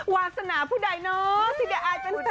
วาสนาผู้ใดเนอะสิ่งที่อายเป็นแฟนเจอร์